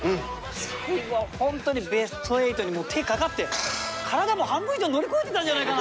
最後はホントにベスト８に手かかって体もう半分以上乗り越えてたんじゃないかな。